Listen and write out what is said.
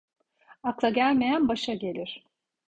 Akla gelmeyen başa gelir.